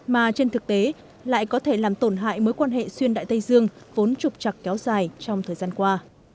mà trên thực tế lại có thể làm tổn hại mối quan hệ xuyên đại tây dương vốn trục chặt kéo dài trong thời gian qua